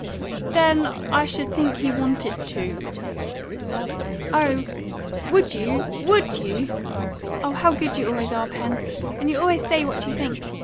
"Then I should think he wanted to." "Oh, would you WOULD you? Oh, how good you always are, Pen! And you always say what you think.